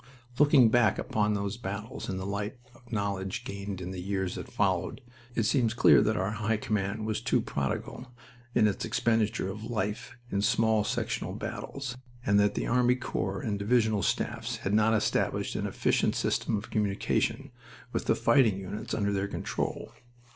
Looking back upon those battles in the light of knowledge gained in the years that followed, it seems clear that our High Command was too prodigal in its expenditure of life in small sectional battles, and that the army corps and divisional staffs had not established an efficient system of communication with the fighting units under their control.